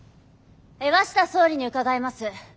鷲田総理に伺います。